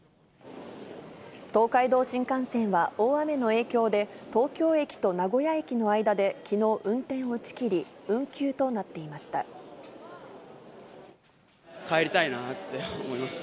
東海道新幹線は、大雨の影響で、東京駅と名古屋駅の間できのう、運転を打ち切り、運休となってい帰りたいなって思います。